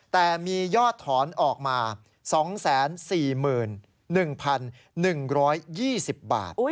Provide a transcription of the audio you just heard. แต่มียอดถอนออกมา๒๔๑๑๒๐บาท